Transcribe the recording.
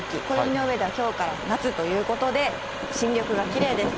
暦の上ではきょうから夏ということで、新緑がきれいです。